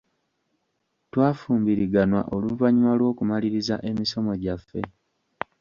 Twafumbiriganwa oluvannyuma lw'okumaliriza emisomo gyaffe.